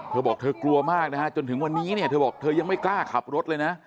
เธอบอกเธอกลัวมากนะฮะจนถึงวันนี้เนี่ยเธอบอกเธอยังไม่กล้าขับรถเลยนะ